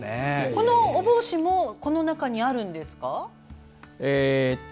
このお帽子もこの中にあるんですか。